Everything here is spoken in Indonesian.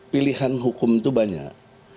pilihan hukum itu banyak